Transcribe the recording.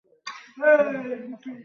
আমি এটাকে জায়গামতো রেখে আসছি।